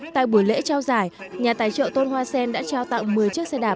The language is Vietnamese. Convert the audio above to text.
tại buổi lễ trao giải nhà tài trợ tôn hoa sen đã trao tặng một mươi chiếc xe đạp